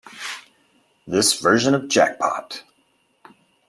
This version of Jackpot!